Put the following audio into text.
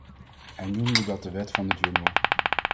Hij noemde dat de wet van de jungle.